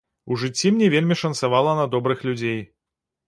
У жыцці мне вельмі шанцавала на добрых людзей.